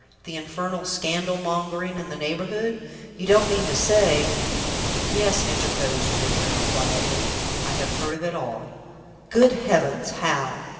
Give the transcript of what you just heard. the infernal scandal mongering in the neighborhood? You don't mean to say ?" "Yes," interposed Midwinter, quietly; "I have heard of it all." "Good heavens! how?